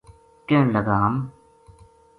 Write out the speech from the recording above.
کہن لگا ہم